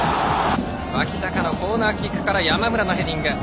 脇坂のコーナーキックから山村のヘディング。